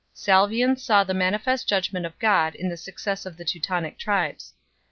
Salvian 4 saw the manifest judgment of God in the success of the Teutonic tribes.